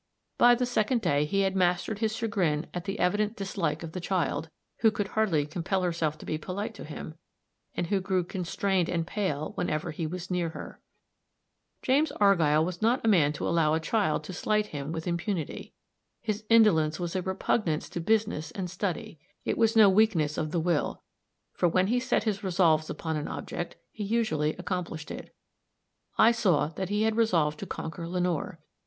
By the second day he had mastered his chagrin at the evident dislike of the child, who could hardly compel herself to be polite to him, and who grew constrained and pale whenever he was near her. James Argyll was not the man to allow a child to slight him with impunity. His indolence was a repugnance to business and study; it was no weakness of the will, for when he set his resolves upon an object, he usually accomplished it. I saw that he had resolved to conquer Lenore.